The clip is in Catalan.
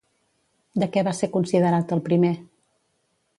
De què va ser considerat el primer?